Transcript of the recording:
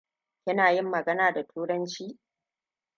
Kina yin magana da turanci?